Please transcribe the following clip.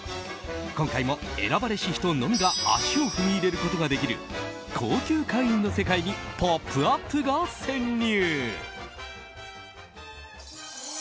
今回も選ばれし人のみが足を踏み入れることができる高級会員の世界に「ポップＵＰ！」が潜入！